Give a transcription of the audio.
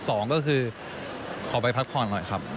สองก็คือขอไปพักผ่อนหน่อยครับ